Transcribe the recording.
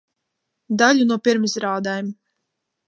Daļu no pirmizrādēm.